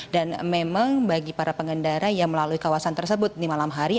dan memang bagi para pengendara yang melalui kawasan tersebut di malam hari